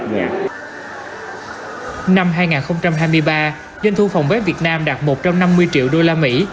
năm hai nghìn hai mươi ba doanh thu phòng vé việt nam đạt một trăm năm mươi triệu đô la mỹ